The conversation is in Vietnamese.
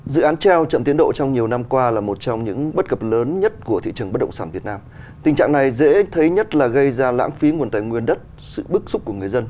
gây ra lãng phí nguồn tài nguyên đất sự bức xúc của người dân